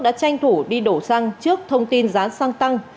đã tranh thủ đi đổ xăng trước thông tin giá xăng tăng